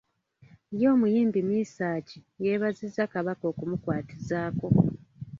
Ye omuyimbi Mesach yeebazizza Kabaka okumukwatizaako.